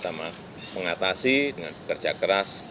sama sama mengatasi dengan bekerja keras